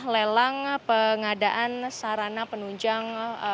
lelang pengadaan sarana penunjang